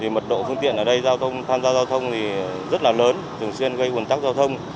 mật độ phương tiện ở đây tham gia giao thông rất là lớn thường xuyên gây nguồn tắc giao thông